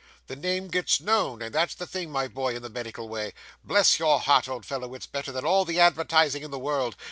The name gets known, and that's the thing, my boy, in the medical way. Bless your heart, old fellow, it's better than all the advertising in the world.